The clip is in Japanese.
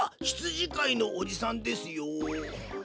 ひつじかいのおじさんですよ。